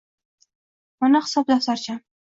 Mana hisob daftarcham.